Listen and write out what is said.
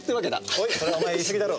おいそれはお前言いすぎだろ。